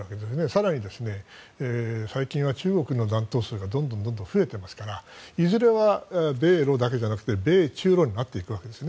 更に、最近は中国の弾頭数がどんどん増えていますからいずれは米ロだけじゃなくて米中ロになっていくわけです。